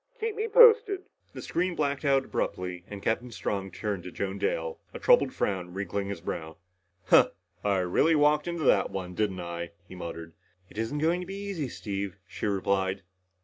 Keep me posted." The screen blacked out abruptly and Captain Strong turned to Joan Dale, a troubled frown wrinkling his brow. "Huh. I really walked into that one, didn't I?" he muttered. "It isn't going to be easy, Steve," she replied.